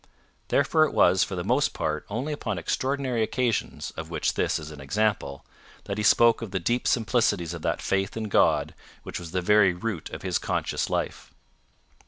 Therefore it was for the most part only upon extraordinary occasions, of which this is an example, that he spoke of the deep simplicities of that faith in God which was the very root of his conscious life.